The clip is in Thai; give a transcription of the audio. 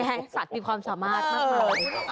นี่แห้งสัตว์มีความสามารถมาก